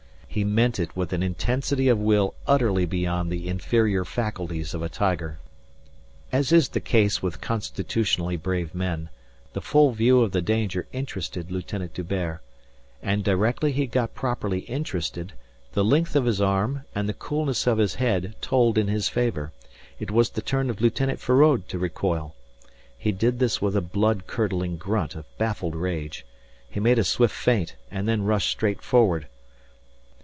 He meant it with an intensity of will utterly beyond the inferior faculties of a tiger. As is the case with constitutionally brave men, the full view of the danger interested Lieutenant D'Hubert. And directly he got properly interested, the length of his arm and the coolness of his head told in his favour. It was the turn of Lieutenant Feraud to recoil. He did this with a blood curdling grunt of baffled rage. He made a swift feint and then rushed straight forward.